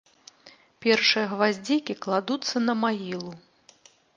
Першыя гваздзікі кладуцца на магілу.